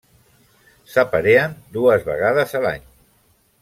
S'aparien dues vegades a l'any.